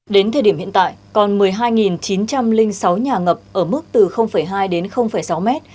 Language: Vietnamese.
đến thời điểm hiện tại còn một mươi hai chín trăm linh sáu nhà ngập ở mức từ hai đến sáu mét